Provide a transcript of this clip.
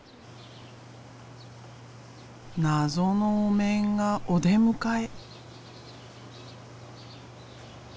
謎のお面がお出迎え。